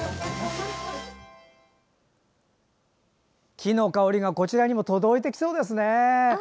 木の香りがこちらにも届いてきそうですね。